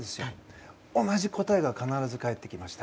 同じ答えが必ず返ってきました。